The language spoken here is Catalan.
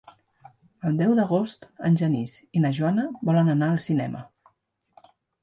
El deu d'agost en Genís i na Joana volen anar al cinema.